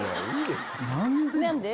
何で？